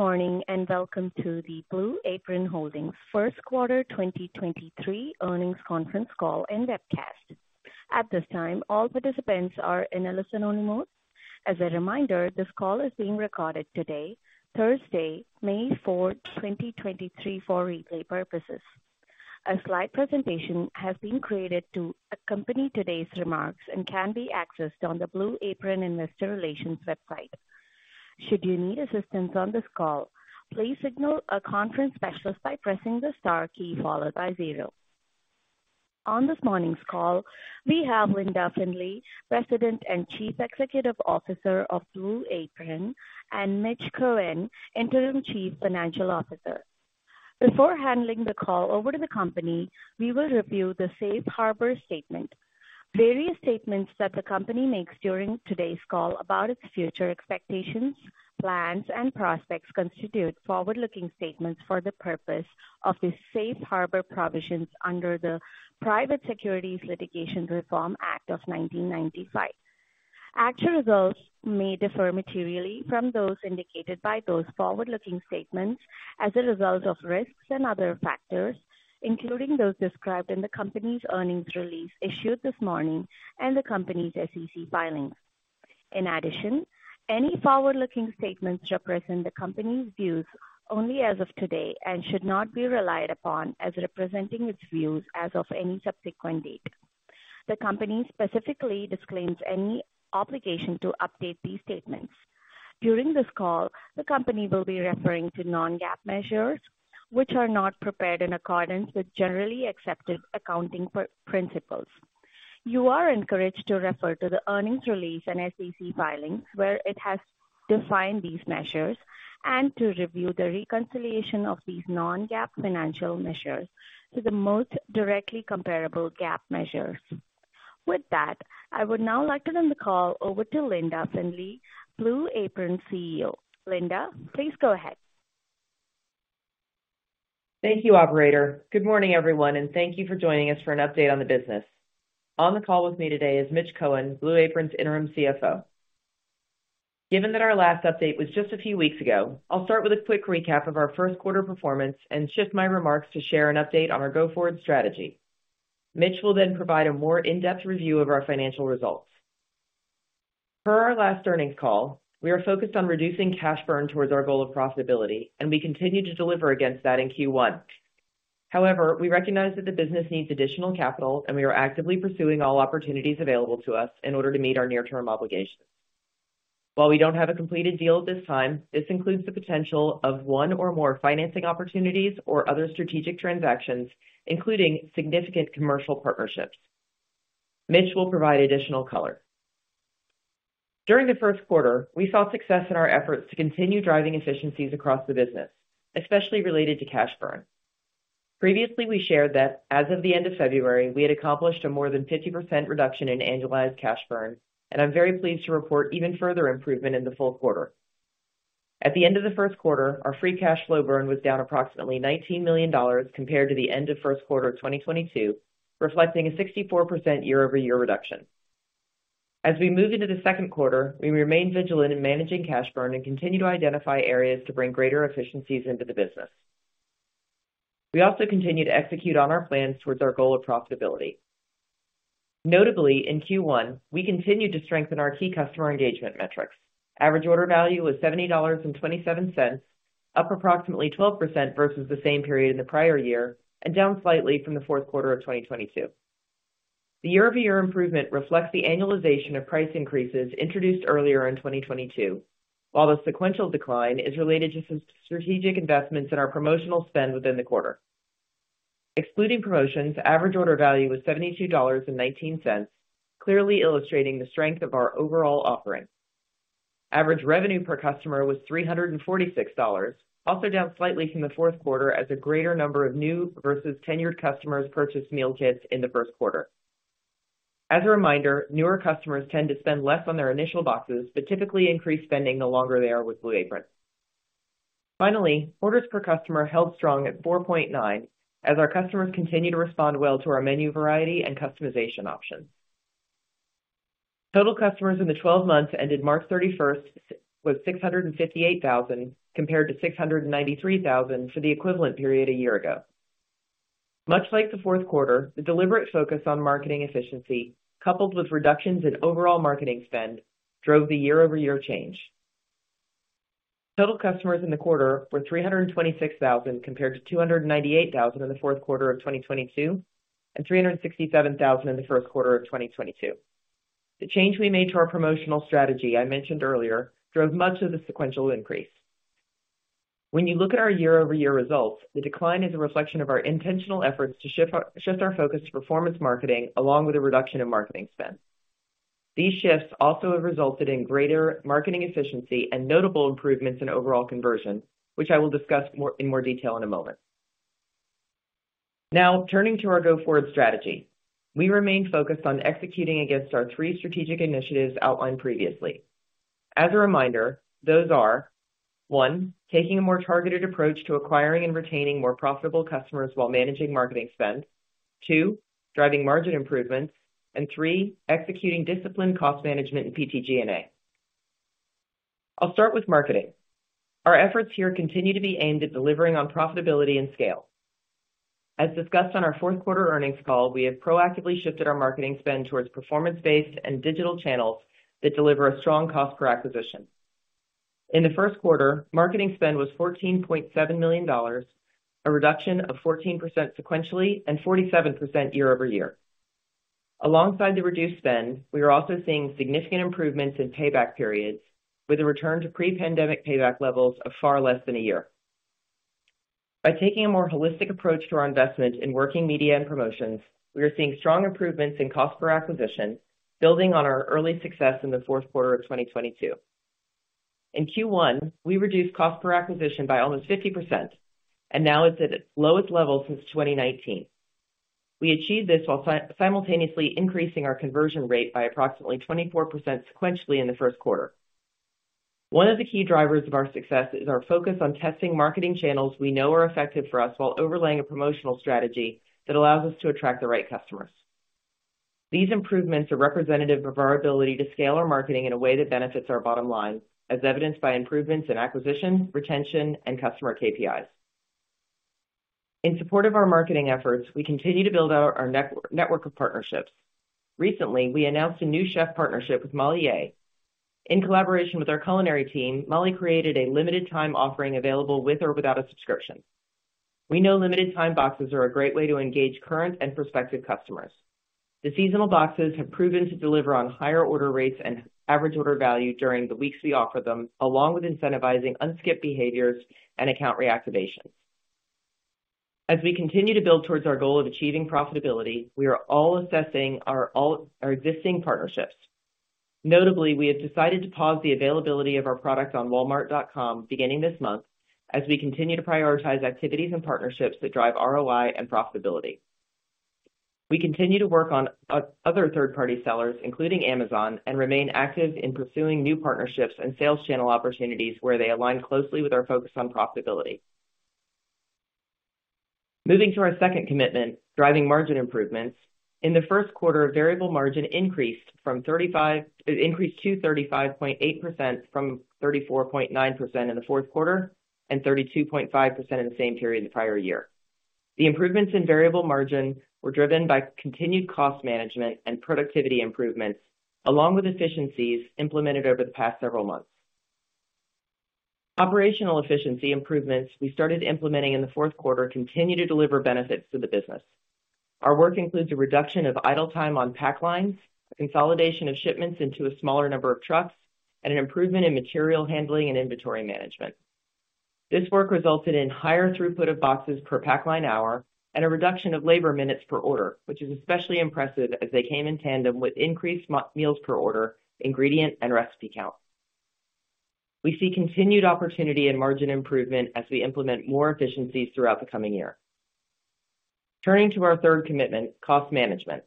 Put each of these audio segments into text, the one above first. Good morning. Welcome to the Blue Apron Holdings first quarter 2023 earnings conference call and webcast. At this time, all participants are in a listen-only mode. As a reminder, this call is being recorded today, Thursday, May fourth, 2023, for replay purposes. A slide presentation has been created to accompany today's remarks and can be accessed on the Blue Apron Investor Relations website. Should you need assistance on this call, please signal a conference specialist by pressing the star key followed by zero. On this morning's call, we have Linda Findley, President and Chief Executive Officer of Blue Apron, and Mitch Cohen, Interim Chief Financial Officer. Before handling the call over to the company, we will review the safe harbor statement. Various statements that the company makes during today's call about its future expectations, plans, and prospects constitute forward-looking statements for the purpose of the safe harbor provisions under the Private Securities Litigation Reform Act of 1995. Actual results may differ materially from those indicated by those forward-looking statements as a result of risks and other factors, including those described in the company's earnings release issued this morning and the company's SEC filings. In addition, any forward-looking statements represent the company's views only as of today and should not be relied upon as representing its views as of any subsequent date. The company specifically disclaims any obligation to update these statements. During this call, the company will be referring to non-GAAP measures which are not prepared in accordance with generally accepted accounting principles. You are encouraged to refer to the earnings release and SEC filings, where it has defined these measures, and to review the reconciliation of these non-GAAP financial measures to the most directly comparable GAAP measures. I would now like to turn the call over to Linda Findley, Blue Apron CEO. Linda, please go ahead. Thank you, operator. Good morning, everyone. Thank you for joining us for an update on the business. On the call with me today is Mitch Cohen, Blue Apron's Interim CFO. Given that our last update was just a few weeks ago, I'll start with a quick recap of our first quarter performance. I'll shift my remarks to share an update on our go-forward strategy. Mitch will provide a more in-depth review of our financial results. Per our last earnings call, we are focused on reducing cash burn towards our goal of profitability. We continue to deliver against that in Q1. However, we recognize that the business needs additional capital. We are actively pursuing all opportunities available to us in order to meet our near-term obligations. While we don't have a completed deal at this time, this includes the potential of one or more financing opportunities or other strategic transactions, including significant commercial partnerships. Mitch will provide additional color. During the first quarter, we saw success in our efforts to continue driving efficiencies across the business, especially related to cash burn. Previously, we shared that as of the end of February, we had accomplished a more than 50% reduction in annualized cash burn, and I'm very pleased to report even further improvement in the full quarter. At the end of the first quarter, our free cash flow burn was down approximately $19 million compared to the end of first quarter of 2022, reflecting a 64% year-over-year reduction. As we move into the second quarter, we remain vigilant in managing cash burn and continue to identify areas to bring greater efficiencies into the business. We also continue to execute on our plans towards our goal of profitability. Notably, in Q1, we continued to strengthen our key customer engagement metrics. Average order value was $70.27, up approximately 12% versus the same period in the prior year and down slightly from the fourth quarter of 2022. The year-over-year improvement reflects the annualization of price increases introduced earlier in 2022, while the sequential decline is related to strategic investments in our promotional spend within the quarter. Excluding promotions, Average order value was $72.19, clearly illustrating the strength of our overall offering. Average revenue per customer was $346, also down slightly from the fourth quarter as a greater number of new versus tenured customers purchased meal kits in the first quarter. As a reminder, newer customers tend to spend less on their initial boxes, but typically increase spending the longer they are with Blue Apron. Orders per customer held strong at 4.9 as our customers continue to respond well to our menu variety and customization options. Total customers in the 12 months ended March 31st was 658,000, compared to 693,000 for the equivalent period a year ago. Much like the fourth quarter, the deliberate focus on marketing efficiency, coupled with reductions in overall marketing spend, drove the year-over-year change. Total customers in the quarter were 326,000, compared to 298,000 in the fourth quarter of 2022 and 367,000 in the first quarter of 2022. The change we made to our promotional strategy I mentioned earlier drove much of the sequential increase. When you look at our year-over-year results, the decline is a reflection of our intentional efforts to shift our focus to performance marketing along with a reduction in marketing spend. These shifts also have resulted in greater marketing efficiency and notable improvements in overall conversion, which I will discuss in more detail in a moment. Now, turning to our go-forward strategy. We remain focused on executing against our three strategic initiatives outlined previously. As a reminder, those are, one, taking a more targeted approach to acquiring and retaining more profitable customers while managing marketing spend. Two, driving margin improvements. Three, executing disciplined cost management in PTG&A. I'll start with marketing. Our efforts here continue to be aimed at delivering on profitability and scale. As discussed on our fourth quarter earnings call, we have proactively shifted our marketing spend towards performance-based and digital channels that deliver a strong cost per acquisition. In the first quarter, marketing spend was $14.7 million, a reduction of 14% sequentially and 47% year-over-year. Alongside the reduced spend, we are also seeing significant improvements in payback periods with a return to pre-pandemic payback levels of far less than a year. By taking a more holistic approach to our investment in working media and promotions, we are seeing strong improvements in cost per acquisition, building on our early success in the fourth quarter of 2022. In Q1, we reduced cost per acquisition by almost 50% and now it's at its lowest level since 2019. We achieved this while simultaneously increasing our conversion rate by approximately 24% sequentially in the first quarter. One of the key drivers of our success is our focus on testing marketing channels we know are effective for us while overlaying a promotional strategy that allows us to attract the right customers. These improvements are representative of our ability to scale our marketing in a way that benefits our bottom line, as evidenced by improvements in acquisition, retention, and customer KPIs. In support of our marketing efforts, we continue to build out our network of partnerships. Recently, we announced a new chef partnership with Molly Yeh. In collaboration with our culinary team, Molly created a limited time offering available with or without a subscription. We know limited time boxes are a great way to engage current and prospective customers. The seasonal boxes have proven to deliver on higher order rates and average order value during the weeks we offer them, along with incentivizing unskipped behaviors and account reactivation. As we continue to build towards our goal of achieving profitability, we are assessing our existing partnerships. Notably, we have decided to pause the availability of our products on Walmart.com beginning this month as we continue to prioritize activities and partnerships that drive ROI and profitability. We continue to work on other third-party sellers, including Amazon, and remain active in pursuing new partnerships and sales channel opportunities where they align closely with our focus on profitability. Moving to our second commitment, driving margin improvements. In the first quarter, variable margin increased to 35.8% from 34.9% in the fourth quarter and 32.5% in the same period the prior year. The improvements in variable margin were driven by continued cost management and productivity improvements, along with efficiencies implemented over the past several months. Operational efficiency improvements we started implementing in the fourth quarter continue to deliver benefits to the business. Our work includes a reduction of idle time on pack lines, consolidation of shipments into a smaller number of trucks, and an improvement in material handling and inventory management. This work resulted in higher throughput of boxes per pack line hour and a reduction of labor minutes per order, which is especially impressive as they came in tandem with increased meals per order, ingredient, and recipe count. We see continued opportunity and margin improvement as we implement more efficiencies throughout the coming year. Turning to our third commitment, cost management.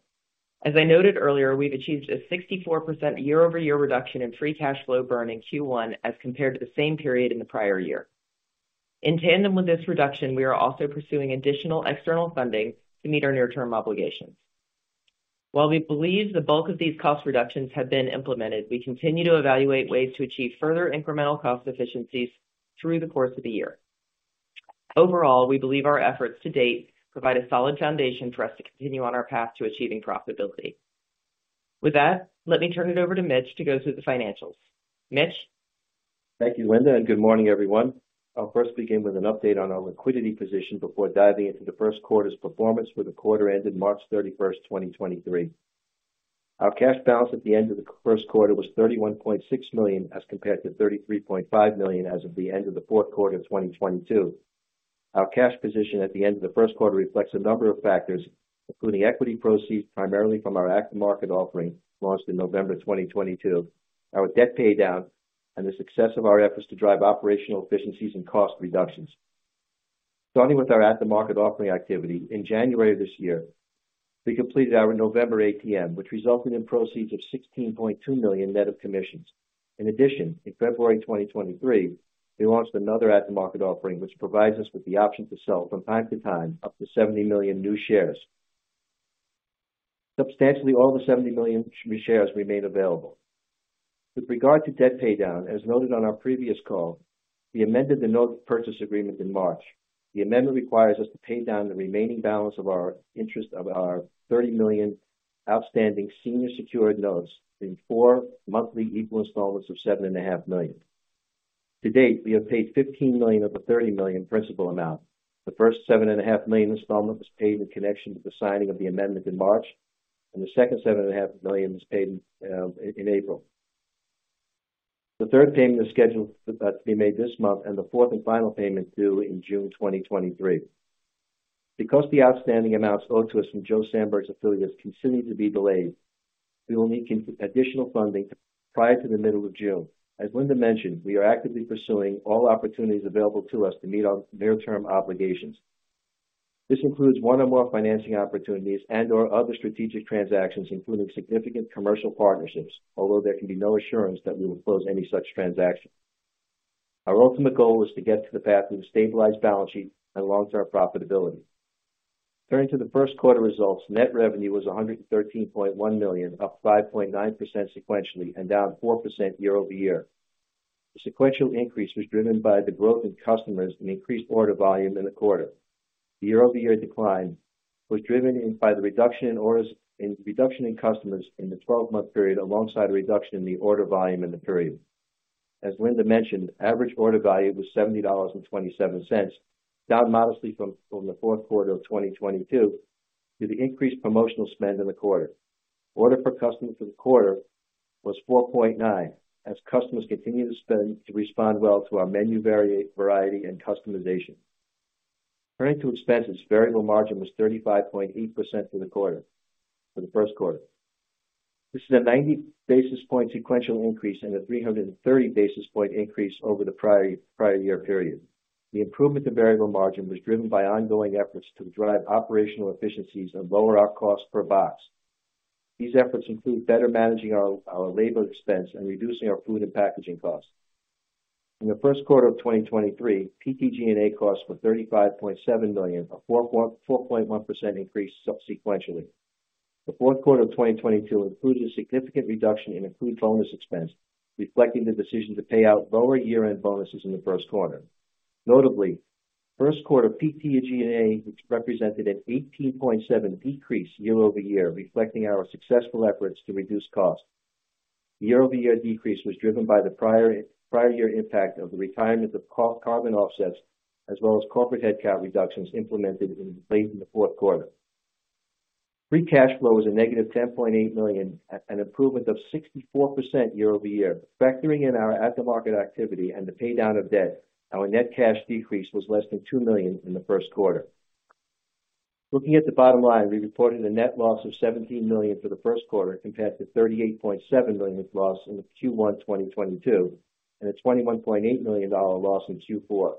As I noted earlier, we've achieved a 64% year-over-year reduction in free cash flow burn in Q1 as compared to the same period in the prior year. In tandem with this reduction, we are also pursuing additional external funding to meet our near-term obligations. While we believe the bulk of these cost reductions have been implemented, we continue to evaluate ways to achieve further incremental cost efficiencies through the course of the year. Overall, we believe our efforts to date provide a solid foundation for us to continue on our path to achieving profitability. With that, let me turn it over to Mitch to go through the financials. Mitch? Thank you, Linda. Good morning, everyone. I'll first begin with an update on our liquidity position before diving into the first quarter's performance for the quarter ended March 31st, 2023. Our cash balance at the end of the first quarter was $31.6 million, as compared to $33.5 million as of the end of the fourth quarter of 2022. Our cash position at the end of the first quarter reflects a number of factors, including equity proceeds primarily from our at-the-market offering launched in November of 2022, our debt paydown, and the success of our efforts to drive operational efficiencies and cost reductions. Starting with our at-the-market offering activity, in January of this year, we completed our November ATM, which resulted in proceeds of $16.2 million net of commissions. In addition, in February 2023, we launched another at-the-market offering, which provides us with the option to sell from time to time up to 70 million new shares. Substantially, all the 70 million shares remain available. With regard to debt paydown, as noted on our previous call, we amended the note purchase agreement in March. The amendment requires us to pay down the remaining balance of our interest of our $30 million outstanding senior secured notes in four monthly equal installments of $7.5 million. To date, we have paid $15 million of the $30 million principal amount. The first $7.5 million installment was paid in connection with the signing of the amendment in March, and the second $7.5 million was paid in April. The third payment is scheduled to be made this month. The fourth and final payment due in June 2023. Because the outstanding amounts owed to us from Joe Sanberg's affiliates continue to be delayed, we will need additional funding prior to the middle of June. As Linda mentioned, we are actively pursuing all opportunities available to us to meet our near-term obligations. This includes one or more financing opportunities and/or other strategic transactions, including significant commercial partnerships, although there can be no assurance that we will close any such transaction. Our ultimate goal is to get to the path of a stabilized balance sheet and long-term profitability. Turning to the first quarter results, net revenue was $113.1 million, up 5.9% sequentially and down 4% year-over-year. The sequential increase was driven by the growth in customers and increased order volume in the quarter. The year-over-year decline was driven by the reduction in orders and reduction in customers in the 12-month period, alongside a reduction in the order volume in the period. As Linda mentioned, AOV was $70.27, down modestly from the fourth quarter of 2022 due to increased promotional spend in the quarter. Order per customer for the quarter was 4.9, as customers continued to respond well to our menu variety and customization. Turning to expenses, variable margin was 35.8% for the quarter, for the first quarter. This is a 90 basis point sequential increase and a 330 basis point increase over the prior year period. The improvement to variable margin was driven by ongoing efforts to drive operational efficiencies and lower our cost per box. These efforts include better managing our labor expense and reducing our food and packaging costs. In the first quarter of 2023, PTG&A costs were $35.7 million, a 4.1% increase sequentially. The fourth quarter of 2022 included a significant reduction in accrued bonus expense, reflecting the decision to pay out lower year-end bonuses in the first quarter. Notably, first quarter PTG&A represented an 18.7% decrease year-over-year, reflecting our successful efforts to reduce costs. The year-over-year decrease was driven by the prior year impact of the retirement of carbon offsets, as well as corporate headcount reductions implemented in late in the fourth quarter. Free cash flow is a -$10.8 million, an improvement of 64% year-over-year. Factoring in our at-the-market activity and the pay down of debt, our net cash decrease was less than $2 million in the first quarter. Looking at the bottom line, we reported a net loss of $17 million for the first quarter, compared to $38.7 million of loss in Q1 2022, and a $21.8 million loss in Q4.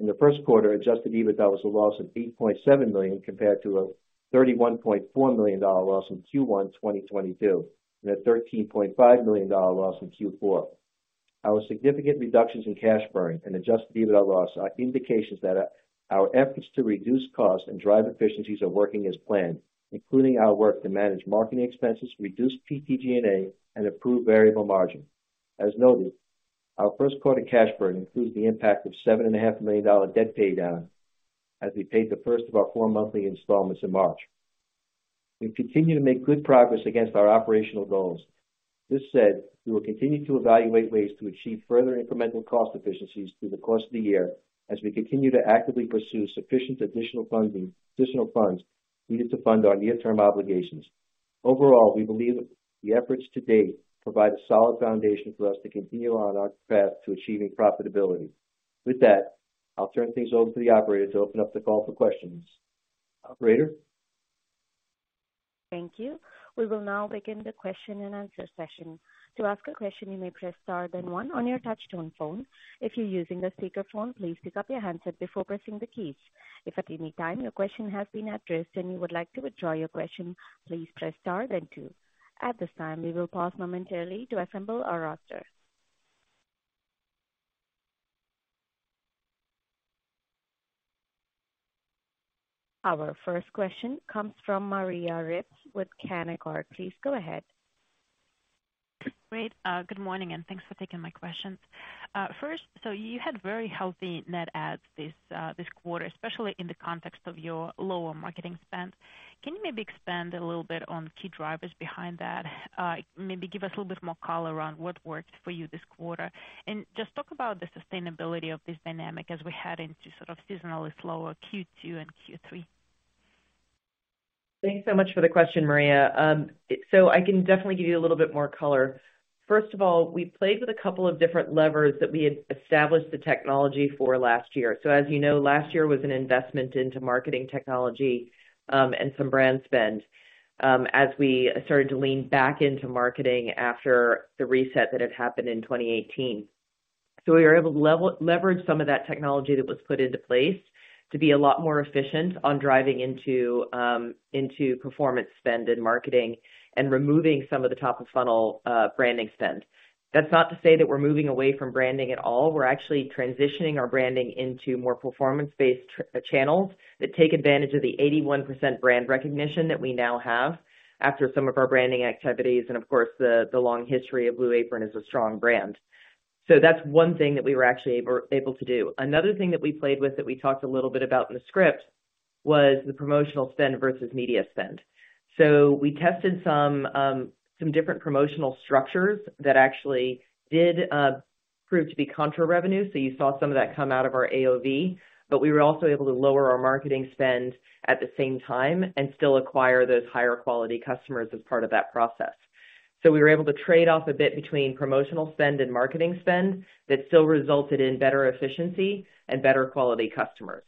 In the first quarter, adjusted EBITDA was a loss of $8.7 million, compared to a $31.4 million loss in Q1 2022, and a $13.5 million loss in Q4. Our significant reductions in cash burn and adjusted EBITDA loss are indications that our efforts to reduce costs and drive efficiencies are working as planned, including our work to manage marketing expenses, reduce PTG&A, and improve variable margin. As noted, our first quarter cash burn includes the impact of seven and a half million dollar debt pay down as we paid the first of our four monthly installments in March. We continue to make good progress against our operational goals. This said, we will continue to evaluate ways to achieve further incremental cost efficiencies through the course of the year as we continue to actively pursue sufficient additional funding, additional funds needed to fund our near-term obligations. Overall, we believe the efforts to date provide a solid foundation for us to continue on our path to achieving profitability. With that, I'll turn things over to the operator to open up the call for questions. Operator? Thank you. We will now begin the question and answer session. To ask a question, you may press star then one on your touchtone phone. If you're using a speakerphone, please pick up your handset before pressing the keys. If at any time your question has been addressed and you would like to withdraw your question, please press star then two. At this time, we will pause momentarily to assemble our roster. Our first question comes from Maria Ripps with Canaccord Genuity. Please go ahead. Great. good morning, and thanks for taking my questions. First, you had very healthy net adds this quarter, especially in the context of your lower marketing spend. Can you maybe expand a little bit on key drivers behind that? maybe give us a little bit more color on what worked for you this quarter. Just talk about the sustainability of this dynamic as we head into sort of seasonally slower Q2 and Q3. Thanks so much for the question, Maria. I can definitely give you a little bit more color. First of all, we played with a couple of different levers that we had established the technology for last year. As you know, last year was an investment into marketing technology, and some brand spend, as we started to lean back into marketing after the reset that had happened in 2018. We were able to leverage some of that technology that was put into place to be a lot more efficient on driving into performance spend and marketing and removing some of the top of funnel, branding spend. That's not to say that we're moving away from branding at all. We're actually transitioning our branding into more performance-based channels that take advantage of the 81% brand recognition that we now have after some of our branding activities, and of course, the long history of Blue Apron as a strong brand. That's one thing that we were actually able to do. Another thing that we played with that we talked a little bit about in the script was the promotional spend versus media spend. We tested some different promotional structures that actually did prove to be contra revenue. You saw some of that come out of our AOV, but we were also able to lower our marketing spend at the same time and still acquire those higher quality customers as part of that process. We were able to trade off a bit between promotional spend and marketing spend that still resulted in better efficiency and better quality customers.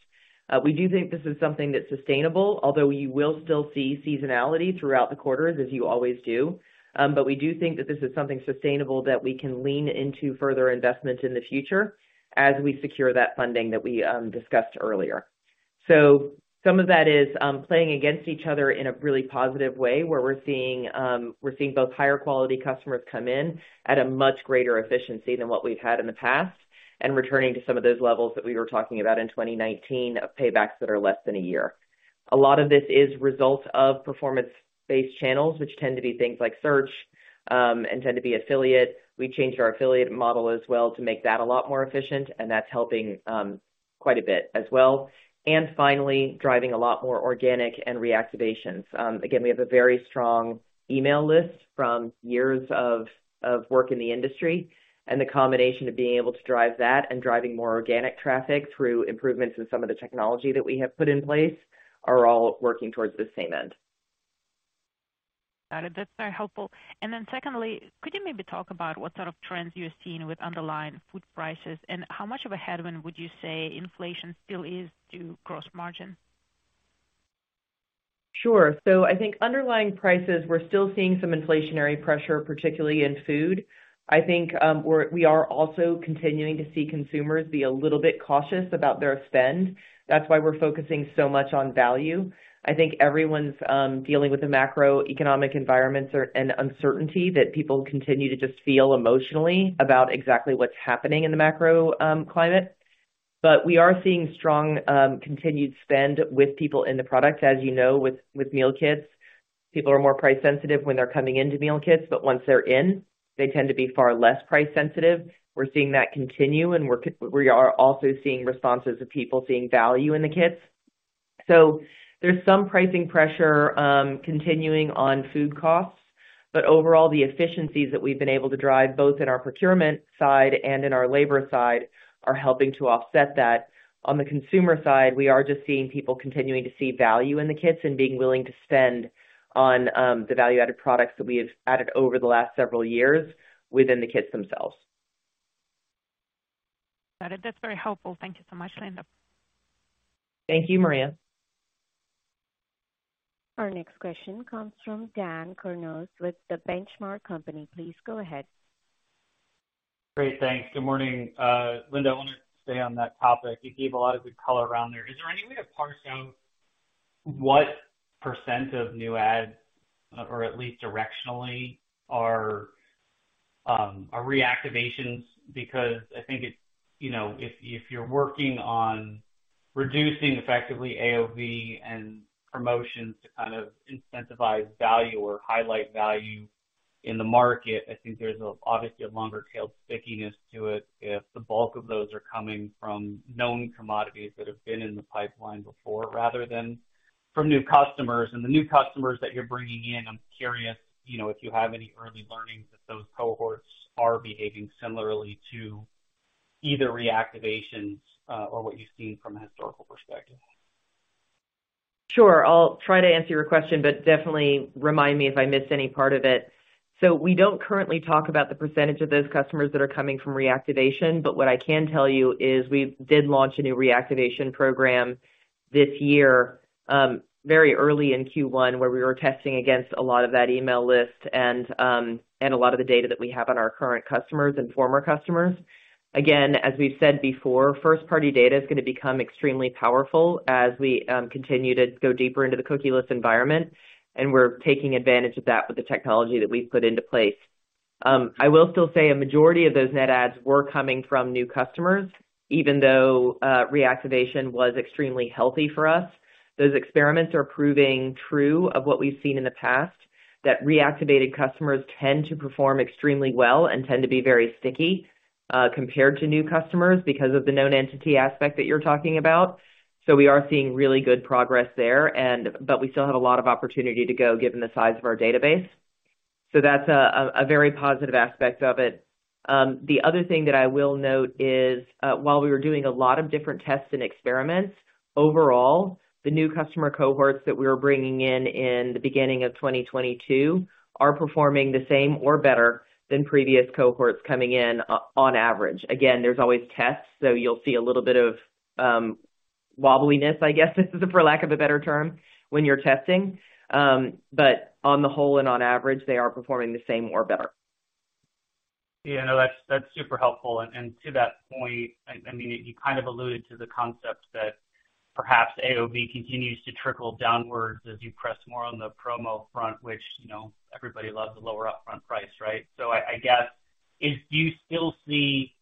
We do think this is something that's sustainable, although you will still see seasonality throughout the quarters, as you always do. We do think that this is something sustainable that we can lean into further investment in the future as we secure that funding that we discussed earlier. Some of that is playing against each other in a really positive way where we're seeing, we're seeing both higher quality customers come in at a much greater efficiency than what we've had in the past, and returning to some of those levels that we were talking about in 2019 of paybacks that are less than a year. A lot of this is results of performance-based channels, which tend to be things like search, and tend to be affiliate. We changed our affiliate model as well to make that a lot more efficient, and that's helping quite a bit as well. Finally, driving a lot more organic and reactivations. Again, we have a very strong email list from years of work in the industry. The combination of being able to drive that and driving more organic traffic through improvements in some of the technology that we have put in place are all working towards the same end. Got it. That's very helpful. Then secondly, could you maybe talk about what sort of trends you're seeing with underlying food prices and how much of a headwind would you say inflation still is to gross margin? Sure. I think underlying prices, we're still seeing some inflationary pressure, particularly in food. I think we are also continuing to see consumers be a little bit cautious about their spend. That's why we're focusing so much on value. I think everyone's dealing with the macroeconomic environments or, and uncertainty that people continue to just feel emotionally about exactly what's happening in the macro climate. We are seeing strong continued spend with people in the product. As you know, with meal kits, people are more price sensitive when they're coming into meal kits, but once they're in, they tend to be far less price sensitive. We're seeing that continue, and we are also seeing responses of people seeing value in the kits. There's some pricing pressure, continuing on food costs, but overall, the efficiencies that we've been able to drive, both in our procurement side and in our labor side, are helping to offset that. On the consumer side, we are just seeing people continuing to see value in the kits and being willing to spend on the value-added products that we have added over the last several years within the kits themselves. Got it. That's very helpful. Thank you so much, Linda. Thank you, Maria. Our next question comes from Dan Kurnos with The Benchmark Company. Please go ahead. Great. Thanks. Good morning. Linda, I wanted to stay on that topic. You gave a lot of good color around there. Is there any way to parse out what percent of new ads, or at least directionally, are reactivations? I think it's, you know, if you're working on reducing effectively AOV and promotions to kind of incentivize value or highlight value in the market, I think there's obviously a longer tail stickiness to it if the bulk of those are coming from known commodities that have been in the pipeline before rather than from new customers. The new customers that you're bringing in, I'm curious, you know, if you have any early learnings that those cohorts are behaving similarly to either reactivations, or what you've seen from a historical perspective. Sure. I'll try to answer your question, but definitely remind me if I miss any part of it. We don't currently talk about the percentage of those customers that are coming from reactivation. What I can tell you is we did launch a new reactivation program this year, very early in Q1, where we were testing against a lot of that email list and a lot of the data that we have on our current customers and former customers. Again, as we've said before, first-party data is gonna become extremely powerful as we continue to go deeper into the cookieless environment, and we're taking advantage of that with the technology that we've put into place. I will still say a majority of those net ads were coming from new customers, even though reactivation was extremely healthy for us. Those experiments are proving true of what we've seen in the past, that reactivated customers tend to perform extremely well and tend to be very sticky, compared to new customers because of the known entity aspect that you're talking about. We are seeing really good progress there, but we still have a lot of opportunity to go given the size of our database. That's a very positive aspect of it. The other thing that I will note is, while we were doing a lot of different tests and experiments, overall, the new customer cohorts that we were bringing in in the beginning of 2022 are performing the same or better than previous cohorts coming in on average. Again, there's always tests, so you'll see a little bit of wobbliness, I guess, for lack of a better term, when you're testing. On the whole and on average, they are performing the same or better. Yeah, no, that's super helpful. To that point, I mean, you kind of alluded to the concept that perhaps AOV continues to trickle downwards as you press more on the promo front, which, you know, everybody loves a lower upfront price, right? I guess, if you still see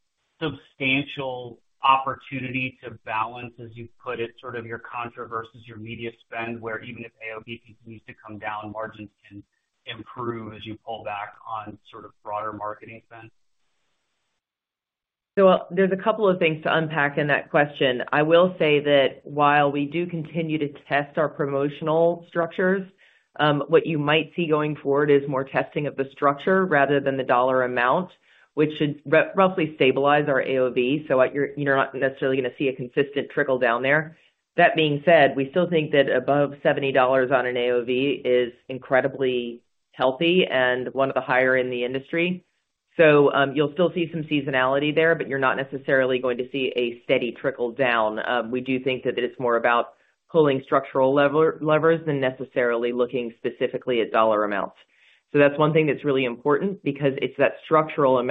substantial opportunity to balance, as you put it, sort of your contra versus your media spend, where even if AOV continues to come down, margins can improve as you pull back on sort of broader marketing spend. There's a couple of things to unpack in that question. I will say that while we do continue to test our promotional structures, what you might see going forward is more testing of the structure rather than the dollar amount, which should roughly stabilize our AOV. You're not necessarily gonna see a consistent trickle down there. That being said, we still think that above $70 on an AOV is incredibly healthy and one of the higher in the industry. You'll still see some seasonality there, but you're not necessarily going to see a steady trickle down. We do think that it's more about pulling structural levers than necessarily looking specifically at dollar amounts. That's one thing that's really important because it's that structural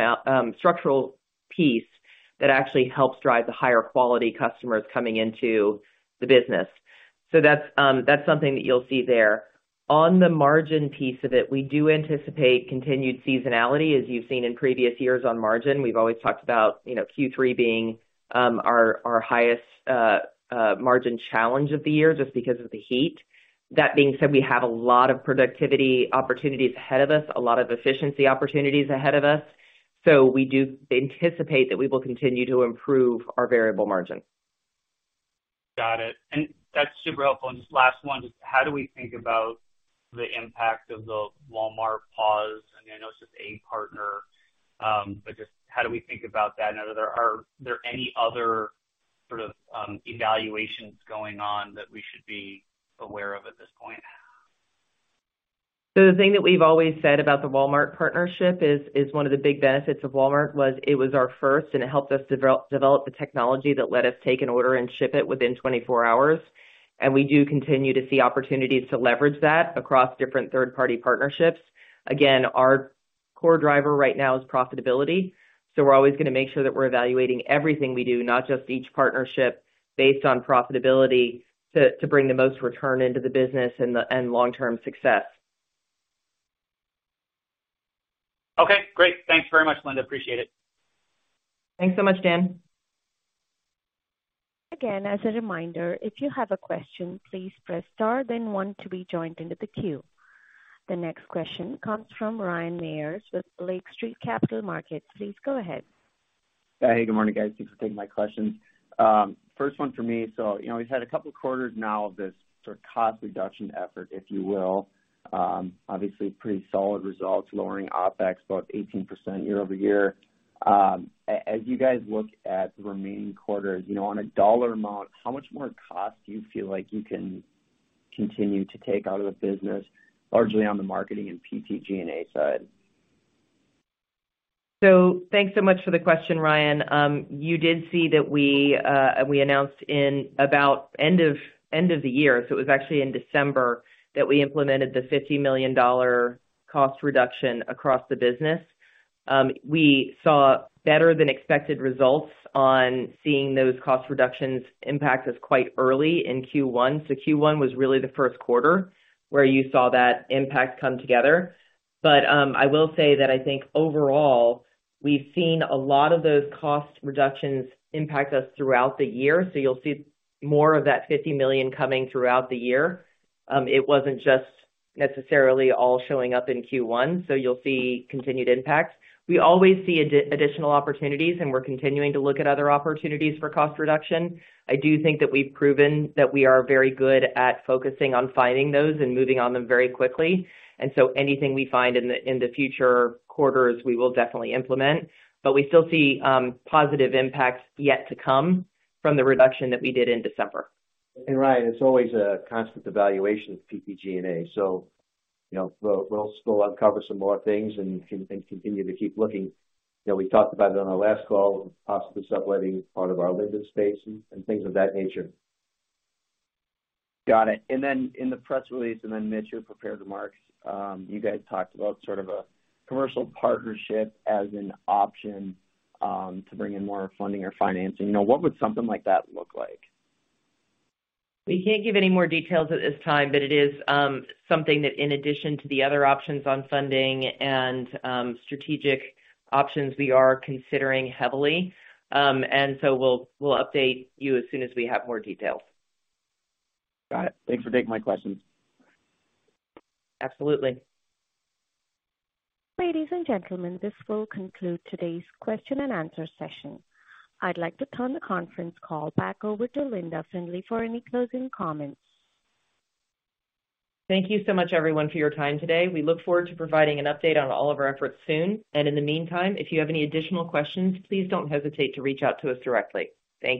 piece that actually helps drive the higher quality customers coming into the business. That's something that you'll see there. On the margin piece of it, we do anticipate continued seasonality. As you've seen in previous years on margin, we've always talked about, you know, Q3 being our highest margin challenge of the year just because of the heat. That being said, we have a lot of productivity opportunities ahead of us, a lot of efficiency opportunities ahead of us. We do anticipate that we will continue to improve our variable margin. Got it. That's super helpful. Just last one, just how do we think about the impact of the Walmart pause? I know it's just a partner, but just how do we think about that? Are there any other sort of evaluations going on that we should be aware of at this point? The thing that we've always said about the Walmart partnership is one of the big benefits of Walmart was it was our first, and it helped us develop the technology that let us take an order and ship it within 24 hours. We do continue to see opportunities to leverage that across different third-party partnerships. Again, our core driver right now is profitability. We're always gonna make sure that we're evaluating everything we do, not just each partnership based on profitability, to bring the most return into the business and long-term success. Okay, great. Thanks very much, Linda. Appreciate it. Thanks so much, Dan. As a reminder, if you have a question, please press star then one to be joined into the queue. The next question comes from Ryan Meyers with Lake Street Capital Markets. Please go ahead. Hey, good morning, guys. Thanks for taking my questions. First one for me. You know, we've had a couple quarters now of this sort of cost reduction effort, if you will. Obviously pretty solid results, lowering OpEx about 18% year-over-year. As you guys look at the remaining quarters, you know, on a dollar amount, how much more cost do you feel like you can continue to take out of the business, largely on the marketing and PTG&A side? Thanks so much for the question, Ryan. You did see that we announced in about end of the year, so it was actually in December, that we implemented the $50 million cost reduction across the business. We saw better than expected results on seeing those cost reductions impact us quite early in Q1. Q1 was really the first quarter where you saw that impact come together. I will say that I think overall, we've seen a lot of those cost reductions impact us throughout the year. You'll see more of that $50 million coming throughout the year. It wasn't just necessarily all showing up in Q1, so you'll see continued impact. We always see additional opportunities, and we're continuing to look at other opportunities for cost reduction. I do think that we've proven that we are very good at focusing on finding those and moving on them very quickly. Anything we find in the, in the future quarters, we will definitely implement. We still see positive impacts yet to come from the reduction that we did in December. Ryan, it's always a constant evaluation of PTG&A. You know, we'll still uncover some more things and continue to keep looking. You know, we talked about it on our last call, possibly subletting part of our Linden space and things of that nature. Got it. In the press release, and then Mitch, your prepared remarks, you guys talked about sort of a commercial partnership as an option, to bring in more funding or financing. You know, what would something like that look like? We can't give any more details at this time, but it is something that in addition to the other options on funding and strategic options we are considering heavily. We'll update you as soon as we have more details. Got it. Thanks for taking my questions. Absolutely. Ladies and gentlemen, this will conclude today's question and answer session. I'd like to turn the conference call back over to Linda Findley for any closing comments. Thank you so much, everyone, for your time today. We look forward to providing an update on all of our efforts soon. In the meantime, if you have any additional questions, please don't hesitate to reach out to us directly. Thank you.